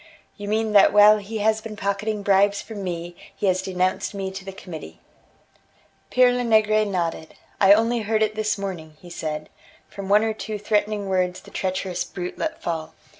"You mean that while he has been pocketing bribes from me, he has denounced me to the Committee." Pere Lenegre nodded: "I only heard it this morning," he said, "from one or two threatening words the treacherous brute let fall.